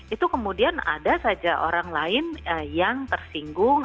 itu kemudian ada saja orang lain yang tersinggung